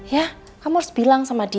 ya kamu harus bilang sama dia